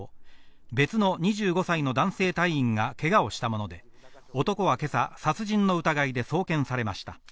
別の２５歳の男性隊員がけがをしたもので、男は今朝、殺人の疑いで送検されました。